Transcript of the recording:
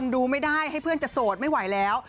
ดูไม่ได้ให้เพื่อนจะโสดไม่ไหวแล้ว